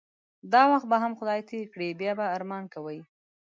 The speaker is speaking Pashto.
دا وخت به هم خدای تیر کړی بیا به ارمان کوی